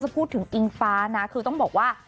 พูดถึงอิงฟ้านะคือต้องบอกว่า